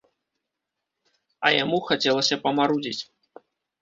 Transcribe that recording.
А яму хацелася памарудзіць.